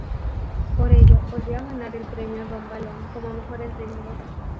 Por ello, volvió a ganar el Premio Don Balón como mejor entrenador.